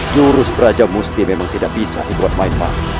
jurus raja musti memang tidak bisa dibuat main main